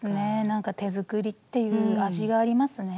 なんか手作りっていう味がありますね。